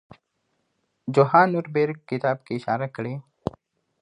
جوهان نوربیرګ کتاب کې اشاره کړې.